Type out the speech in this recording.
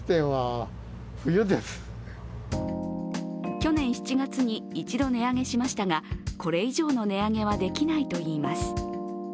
去年７月に一度値上げしましたがこれ以上の値上げはできないといいます。